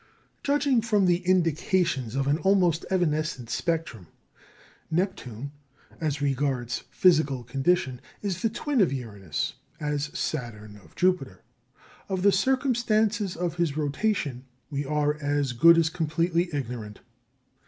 Judging from the indications of an almost evanescent spectrum, Neptune, as regards physical condition, is the twin of Uranus, as Saturn of Jupiter. Of the circumstances of his rotation we are as good as completely ignorant.